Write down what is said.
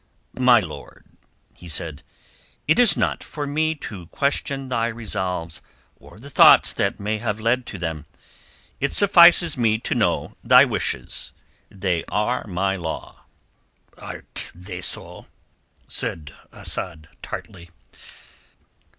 "My lord," he said, "it is not for me to question thy resolves or the thoughts that may have led to them. It suffices me to know thy wishes; they are my law." "Are they so?" said Asad tartly.